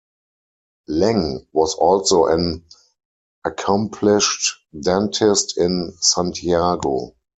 Leng was also an accomplished dentist in Santiago.